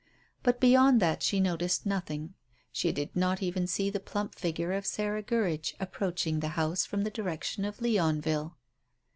But beyond that she noticed nothing; she did not even see the plump figure of Sarah Gurridge approaching the house from the direction of Leonville.